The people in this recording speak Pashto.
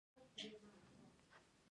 اوبزین معدنونه د افغانستان د طبیعت برخه ده.